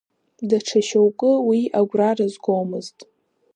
Даҽа шьоукы уи агәра рызгомызт.